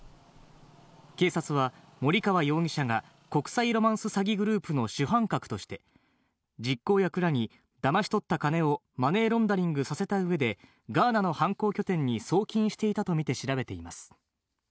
警察は、森川容疑者が国際ロマンス詐欺グループの主犯格として、実行役らにだまし取った金をマネーロンダリングさせたうえで、ガーナの犯行拠点に送金していたと見て調べています。